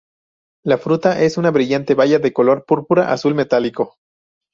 La fruta es una brillante baya de color púrpura-azul metálico.